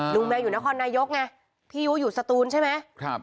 แมวอยู่นครนายกไงพี่ยุอยู่สตูนใช่ไหม